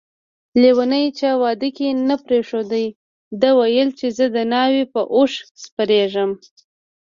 لیونی چا واده کی نه پریښود ده ويل چي زه دناوی په اوښ سپریږم